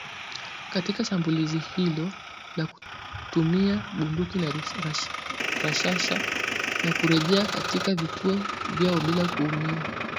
Katika shambulizi hilo kwa kutumia bunduki za rashasha na kurejea katika vituo vyao bila kuumia .